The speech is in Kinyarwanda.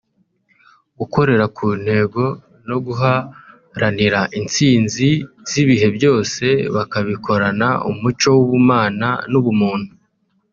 gukorera ku ntego no guharanira intsinzi z’ibihe byose bakabikorana umuco w’ubumana n’ubumuntu